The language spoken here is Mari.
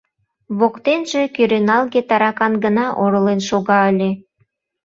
Воктенже кӱреналге таракан гына оролен шога ыле.